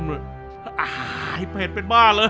ที่เผ็ดเป็นบ้าเลย